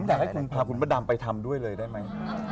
อยากให้คุณพาคุณพระดำไปทำด้วยเลยได้ไหม